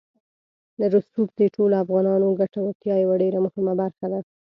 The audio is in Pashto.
رسوب د ټولو افغانانو د ګټورتیا یوه ډېره مهمه برخه ده.